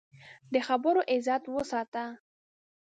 د خبرو عزت وساته